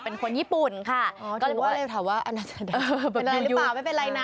เป็นอะไรหรือเปล่าไม่เป็นไรนะ